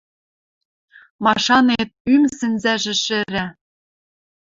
Машанет, ӱм сӹнзӓжӹ шӹрӓ.